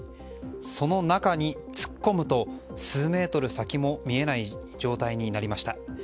その中に突っ込むと数メートル先も見えない状態になりました。